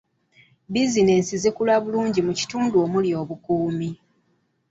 Bizinensi zikula bulungi mu kitundu ekirimu obukuumi.